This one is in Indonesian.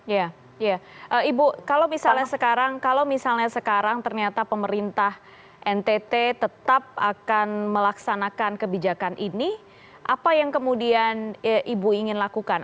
ya ibu kalau misalnya sekarang kalau misalnya sekarang ternyata pemerintah ntt tetap akan melaksanakan kebijakan ini apa yang kemudian ibu ingin lakukan